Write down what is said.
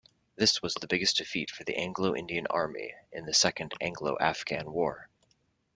This was the biggest defeat for the Anglo-Indian army in the second Anglo-Afghan war.